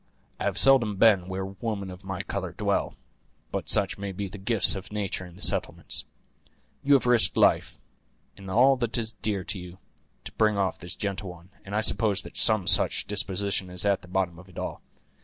I have seldom been where women of my color dwell; but such may be the gifts of nature in the settlements. You have risked life, and all that is dear to you, to bring off this gentle one, and I suppose that some such disposition is at the bottom of it all.